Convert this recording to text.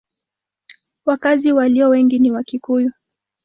Wakazi walio wengi ni Wakikuyu.